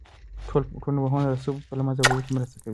ټولنپوهنه د تعصب په له منځه وړلو کې مرسته کوي.